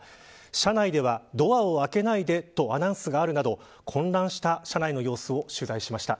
車内ではドアを開けないでとアナウンスがあるなど混乱した車内の様子を取材しました。